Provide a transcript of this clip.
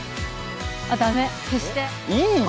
あっダメ消していいじゃん